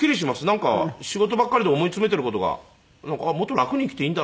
なんか仕事ばっかりで思い詰めている事がもっと楽に生きていいんだなっていう。